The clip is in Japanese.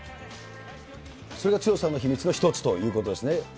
それが強さの秘密の一つということですね。